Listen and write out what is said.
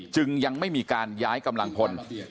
จึงยังไม่มีการย้ายกำลังพล